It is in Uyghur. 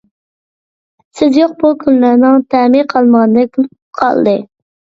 سىز يوق بۇ كۈنلەرنىڭ تەمى قالمىغاندەك بولۇپ قالدى.